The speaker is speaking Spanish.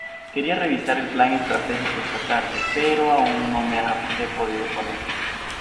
Quería revisar el plan estratégico esta tarde, pero aún no me he podido poner.